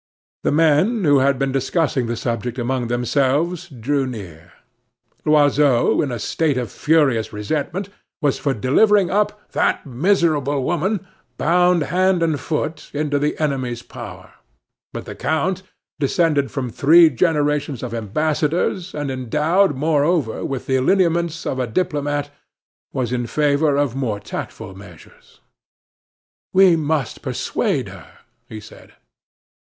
The men, who had been discussing the subject among themselves, drew near. Loiseau, in a state of furious resentment, was for delivering up "that miserable woman," bound hand and foot, into the enemy's power. But the count, descended from three generations of ambassadors, and endowed, moreover, with the lineaments of a diplomat, was in favor of more tactful measures. "We must persuade her," he said.